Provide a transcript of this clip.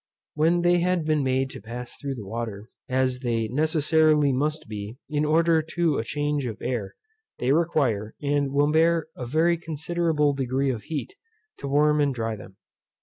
When they had been made to pass through the water, as they necessarily must be in order to a change of air, they require, and will bear a very considerable degree of heat, to warm and dry them.